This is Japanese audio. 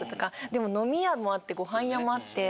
でも飲み屋もあってご飯屋もあって。